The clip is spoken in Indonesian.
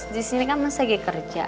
di sini kan mas lagi kerja